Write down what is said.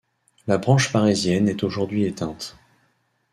La branche parisienne est aujourd'hui éteinte.